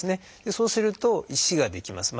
そうすると石が出来ます。